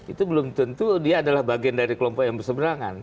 itu belum tentu dia adalah bagian dari kelompok yang berseberangan